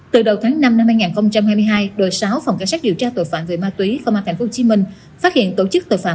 từ đầu tháng năm năm hai nghìn hai mươi hai đội sáu phòng cảnh sát điều tra tội phạm về ma túy công an tp hcm phát hiện tổ chức tội phạm